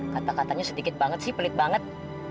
kata katanya sedikit banget sih pelit banget